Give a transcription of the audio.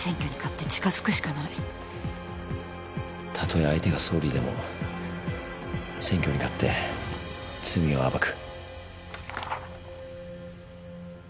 たとえ相手が総理でも選挙に勝って罪を暴く。